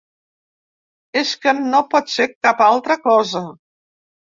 És que no pot ser cap altra cosa.